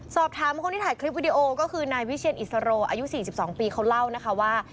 สอบถามคนที่ถ่ายคลิปวิดีโอก็คือนายวิเชียนอิสโรอายุ๔๒ปีเขาเล่านะคะว่า